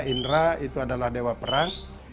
indra itu adalah dewa perang